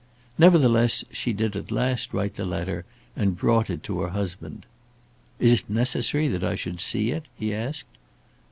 Nevertheless she did at last write the letter, and brought it to her husband. "Is it necessary that I should see it?" he asked.